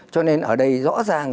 cho nên ở đây rõ ràng